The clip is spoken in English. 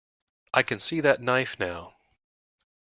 I can see that knife now.